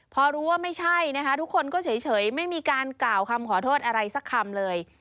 พอรู้ว่าไม่ใช่นะคะทุกคนก็เฉยไม่มีการกล่าวคำขอโทษอะไรสักคำเลย